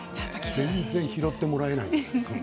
全然拾ってもらえないじゃないですか。